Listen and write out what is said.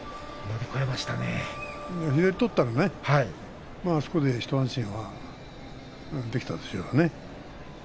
左を取ったらねあそこで一安心できたでしょうね。